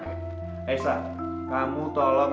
aisyah kamu tolong